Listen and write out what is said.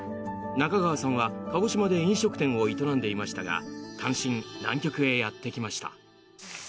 中川さんは、鹿児島で飲食店を営んでいましたが単身南極へやってきました。